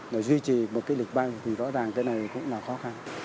để duy trì một cái lịch bay thì rõ ràng cái này cũng là khó khăn